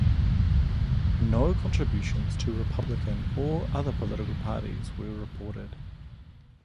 No contributions to Republican or other political parties were reported.